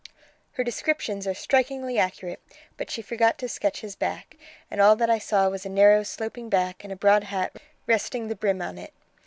'" "Her descriptions are strikingly accurate, but she forgot to sketch his back, and all that I saw was a narrow sloping back and a broad hat resting the brim on it.